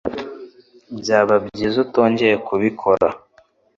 Byaba byiza utongeye kubikora.